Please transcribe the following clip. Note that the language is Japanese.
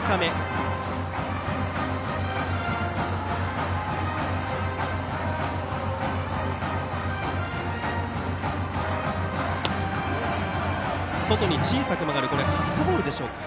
今のは外に小さく曲がるカットボールでしょうか。